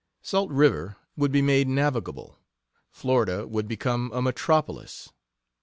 Salt River would be made navigable; Florida would become a metropolis.